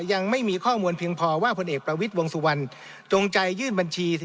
ยังไม่มีข้อมูลเพียงพอว่าผลเอกประวิทย์วงสุวรรณจงใจยื่นบัญชี